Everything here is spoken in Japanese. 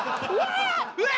うわ！